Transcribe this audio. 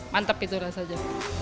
mantep itu rasanya